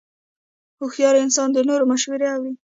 هوښیار انسان د نورو مشورې اوري.